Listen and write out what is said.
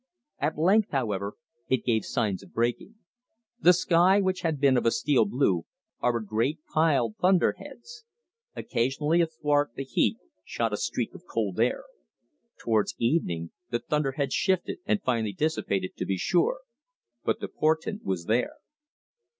At length, however, it gave signs of breaking. The sky, which had been of a steel blue, harbored great piled thunder heads. Occasionally athwart the heat shot a streak of cold air. Towards evening the thunder heads shifted and finally dissipated, to be sure, but the portent was there.